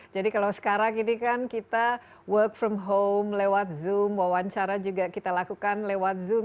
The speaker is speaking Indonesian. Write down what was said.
kalau sekarang ini kan kita work from home lewat zoom wawancara juga kita lakukan lewat zoom